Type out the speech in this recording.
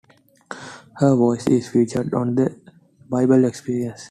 Her voice is featured on "The Bible Experience".